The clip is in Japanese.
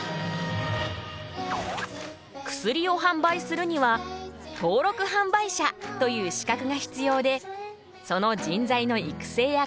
薬を販売するには登録販売者という資格が必要でその人材の育成や確保